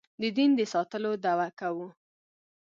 د دین د ساتلو دعوه کوو.